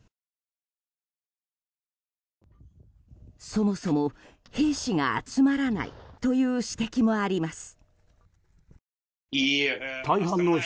そもそも、兵士が集まらないという指摘もあります。